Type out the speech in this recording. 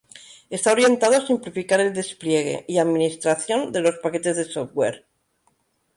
Está orientado a simplificar el despliegue y administración de los paquetes de software.